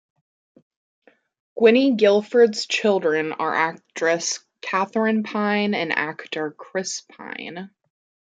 Gwynne Gilford's children are actress Katherine Pine and actor Chris Pine.